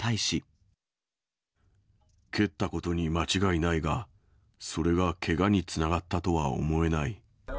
蹴ったことに間違いないが、それがけがにつながったとは思えない。